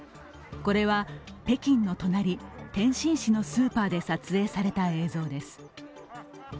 これは北京の隣、天津市のスーパーで撮影された映像です。